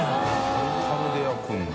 タルタルで焼くんだ。